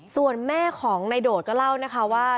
ส่วนแม่ของนายโดดก็เล่านะคะว่า